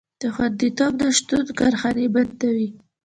د خوندیتوب نشتون کارخانې بندوي.